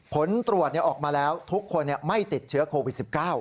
ผลตรวจออกมาแล้วทุกคนไม่ติดเชื้อโควิด๑๙